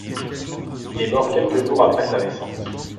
Il est mort quelques jours après sa naissance.